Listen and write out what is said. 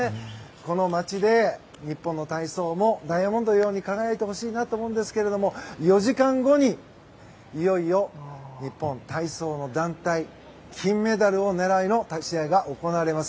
この街で、日本の体操もダイヤモンドのように輝いてほしいなと思うんですけれども４時間後に、いよいよ日本体操の団体金メダルを狙う試合が行われます。